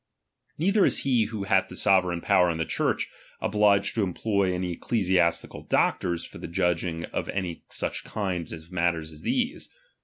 Neither is he who hath the sovereign power in the Church, obliged RELIGION. 297 to employ any ecclesiastical doctors for the judg chap.xvi iDg of any such kind of matters as these.